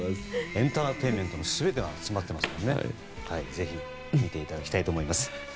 エンターテインメントの全てが詰まっているのでぜひ見ていただきたいと思います。